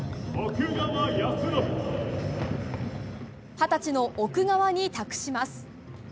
二十歳の奥川に託します。